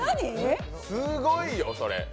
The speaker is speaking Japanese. すごいよ、これ。